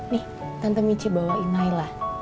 nih tante mici bawain naila